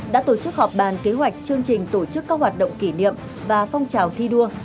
đã tổ chức họp bàn kế hoạch chương trình tổ chức các hoạt động kỷ niệm và phong trào thi đua